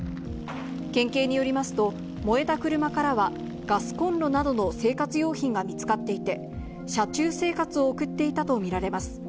県警によりますと、燃えた車からは、ガスコンロなどの生活用品が見つかっていて、車中生活を送っていたと見られます。